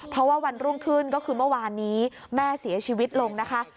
เพราะว่าวันรุ่งขึ้นก็คือเมื่อวานนี้แม่เสียชีวิตลงนะคะ